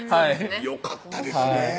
よかったですねぇ